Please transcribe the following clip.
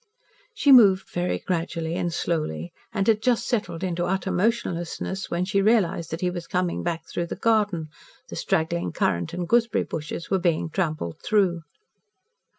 She moved very gradually and slowly, and had just settled into utter motionlessness when she realised that he was coming back through the garden the straggling currant and gooseberry bushes were being trampled through.